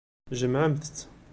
Jemɛemt-tt.